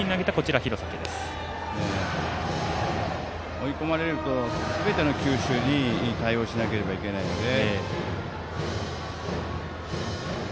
追い込まれるとすべての球種に対応しなければいけないので。